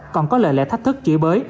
còn có lệ lệ thách thức chỉ bới